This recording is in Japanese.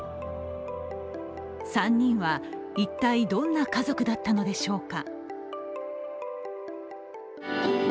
３人は一体、どんな家族だったのでしょうか？